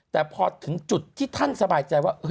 แต่พอถึงจุดที่ท่านสบายใจว่า